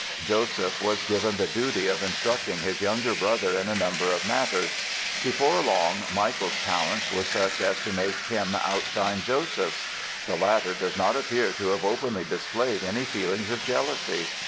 Joseph was given the duty of instructing his younger brother in a number of matters. Before long Michael's talents were such as to make him outshine Joseph's. The latter does not appear to have openly displayed any feelings of jealousy.